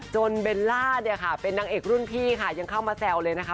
เบลล่าเนี่ยค่ะเป็นนางเอกรุ่นพี่ค่ะยังเข้ามาแซวเลยนะคะ